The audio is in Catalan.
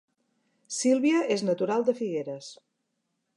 Sílvia és natural de Figueres